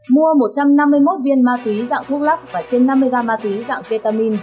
mua một trăm năm mươi một viên ma túy dạng thuốc lắc và trên năm mươi gram ma túy dạng ketamin